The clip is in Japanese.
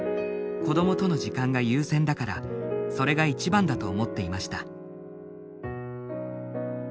子どもとの時間が優先だからそれが一番だと思っていました。